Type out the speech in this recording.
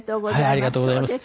ありがとうございます。